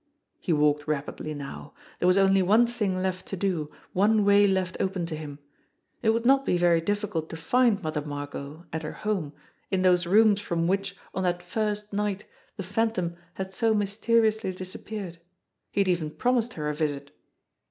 He walked rapidly now. There was only one thing left to do, one way left open to him. It would not be very diffi cult to find Mother Margot at her home in those rooms from which, on that first night, the Phantom had so mys teriously disappeared. He had even promised her a visit!